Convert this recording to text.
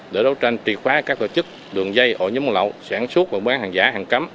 để đấu tranh trì khóa các tổ chức đường dây ổ nhấm lậu sản xuất và buôn bán hàng giả hàng cấm